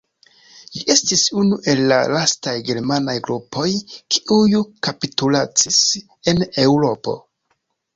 Ĝi estis unu el la lastaj germanaj grupoj kiuj kapitulacis en Eŭropo.